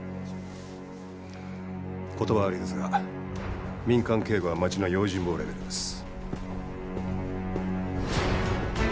言葉は悪いですが民間警護は町の用心棒レベルです。